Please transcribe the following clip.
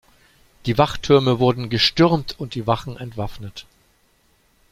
Die Wachtürme wurden gestürmt und die Wachen entwaffnet.